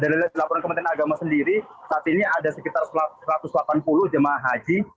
dari laporan kementerian agama sendiri saat ini ada sekitar satu ratus delapan puluh jemaah haji